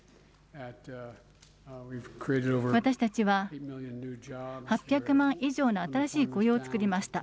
私たちは８００万以上の新しい雇用を作りました。